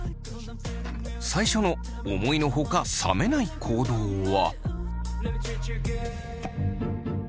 最初の思いのほか冷めない行動は。